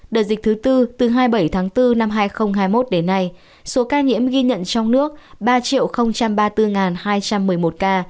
đợt dịch thứ tư từ hai mươi bảy tháng bốn năm hai nghìn hai mươi một đến nay số ca nhiễm ghi nhận trong nước ba ba mươi bốn hai trăm một mươi một ca